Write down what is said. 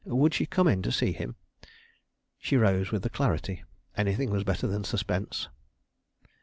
Would she come in to see him? She rose with alacrity. Anything was better than suspense.